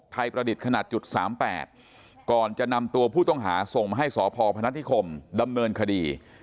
ประดิษฐ์ขนาดจุด๓๘ก่อนจะนำตัวผู้ต้องหาส่งมาให้สพพนัฐนิคมดำเนินคดี